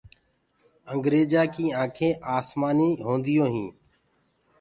انگيرجآن ڪي آنکينٚ آسمآني هونديو هينٚ۔